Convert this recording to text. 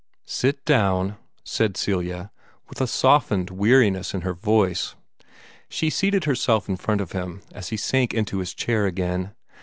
"Sit down," said Celia, with a softened weariness in her voice. She seated herself in front of him as he sank into his chair again.